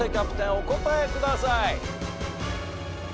お答えください。